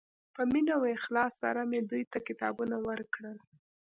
په مینه او اخلاص سره مې دوی ته کتابونه ورکړل.